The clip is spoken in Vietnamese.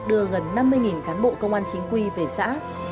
đưa gần năm mươi cán bộ công an chính quy về xã